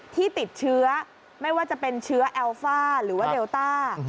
ที่ติดเชื้อไม่ว่าจะเป็นเชื้อแอลฟ่าหรือว่าเดลต้า